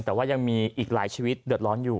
แต่ว่ายังมีอีกหลายชีวิตเดือดร้อนอยู่